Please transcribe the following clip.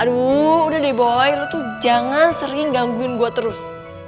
aduh udah deh boy lo tuh jangan sering gangguin gue terus